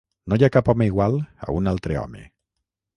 No hi ha cap home igual a un altre home.